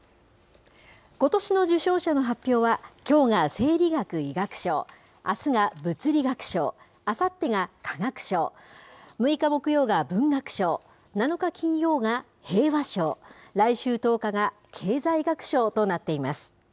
ことしの受賞者の発表は、きょうが生理学・医学賞、あすが物理学賞、あさってが化学賞、６日木曜が文学賞、７日金曜が平和賞、来週１０日が経済学賞となっています。